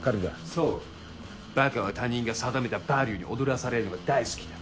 そうバカは他人が定めたバリューに踊らされるのが大好きだ。